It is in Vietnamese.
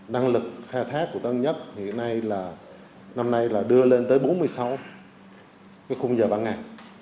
năng lực khai thác của tân nhất hiện nay là năm nay là đưa lên tới bốn mươi sáu khung giờ ban ngày